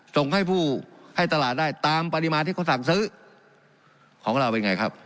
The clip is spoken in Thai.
ส่งให้ผู้ให้ตลาดได้ตามปริมาณที่เขาสั่งซื้อของเราเป็นไงครับ